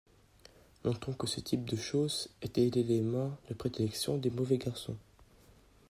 Notons que ce type de chausse était l'élément de prédilection des mauvais garçons.